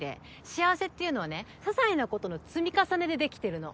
幸せっていうのはね些細なことの積み重ねでできてるの。